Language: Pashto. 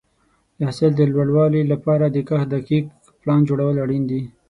د حاصل د لوړوالي لپاره د کښت دقیق پلان جوړول اړین دي.